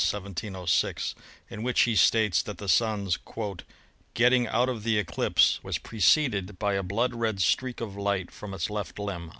1706, in which he states that the Sun's "getting out of the eclipse was preceded by a blood red streak of light from its left limb."